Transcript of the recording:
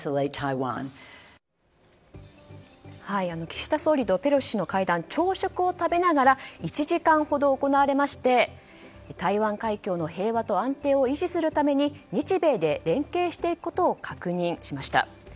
岸田総理とペロシ氏の会談は朝食を食べながら１時間ほど行われまして台湾海峡の平和と安定を維持するために日米で連携していくことを確認しました。